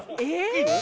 いいの？